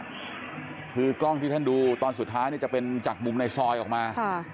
คือกล้องที่ท่านดูตอนสุดท้ายเนี่ยจะเป็นจากมุมในซอยออกมา